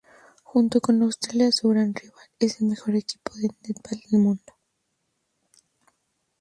Junto con Australia, su gran rival, es el mejor equipo de netball del mundo.